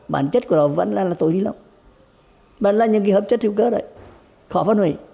bản chất của nó vẫn là túi ni lông vẫn là những cái hợp chất hữu cơ đấy khó phân hủy